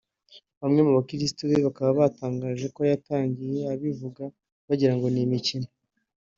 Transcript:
Bamwe mu bakirisitu be bakaba batangaje ko yatangiye abivuga bagirango ni imikino